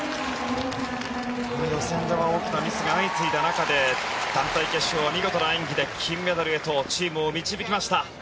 予選では大きなミスが相次いだ中で団体決勝は見事な演技で金メダルへチームを導きました。